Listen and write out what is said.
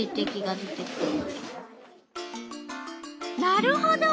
なるほど。